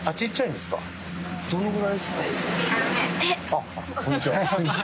あっこんにちは。